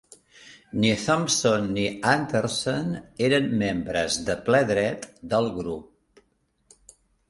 Ni Thompson ni Anderson eren membres de ple dret del grup.